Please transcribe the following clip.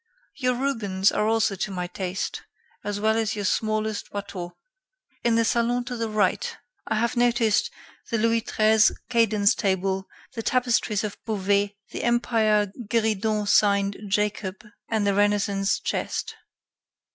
Your Rubens are also to my taste, as well as your smallest Watteau. In the salon to the right, I have noticed the Louis XIII cadence table, the tapestries of Beauvais, the Empire gueridon signed 'Jacob,' and the Renaissance chest.